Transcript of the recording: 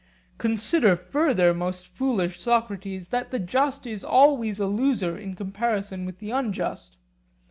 Consider further, most foolish Socrates, that the just is always a loser in comparison with the unjust.